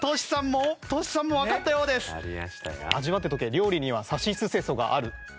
料理には「さしすせそ」がある。